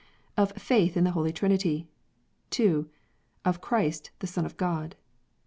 Of Faith in the Holy Trinity. 2. Of Christ the Son of God. 3.